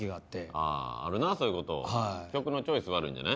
あぁあるなそういうこと曲のチョイス悪いんじゃない？